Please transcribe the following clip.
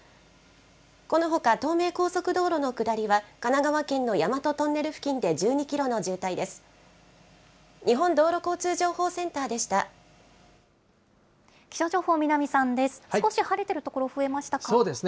このほか、東名高速道路の下りは神奈川県の大和トンネル付近で１２キロの渋滞です。